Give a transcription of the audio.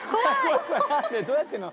どうやって。